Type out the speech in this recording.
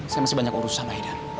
saya masih banyak urusan sama aida